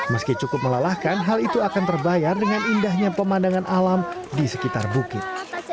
meski cukup melelahkan hal itu akan terbayar dengan indahnya pemandangan alam di sekitar bukit